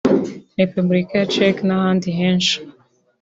Repubulika ya Czech n’ahandi henshi